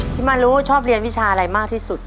ที่มารู้ชอบเรียนวิชาอะไรมากที่สุด